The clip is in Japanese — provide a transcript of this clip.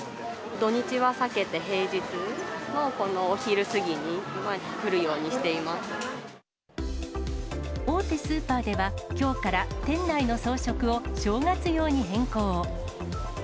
土日は避けて平日のこのお昼大手スーパーでは、きょうから店内の装飾を正月用に変更。